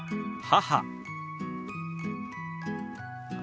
母。